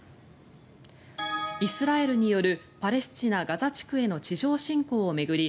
イスラエルによるパレスチナ・ガザ地区への地上侵攻を巡り